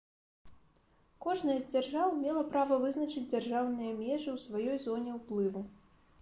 Кожная з дзяржаў мела права вызначыць дзяржаўныя межы ў сваёй зоне ўплыву.